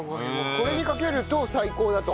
これにかけると最高だと。